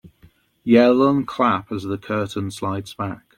Yell and clap as the curtain slides back.